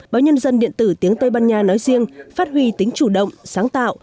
báo nhân dân điện tử tiếng tây ban nha nói riêng phát huy tính chủ động sáng tạo